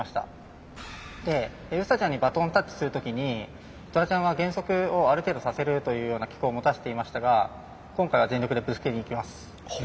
でウサちゃんにバトンタッチする時にトラちゃんは減速をある程度させるというような機構を持たせていましたが今回は全力でぶつけにいきます。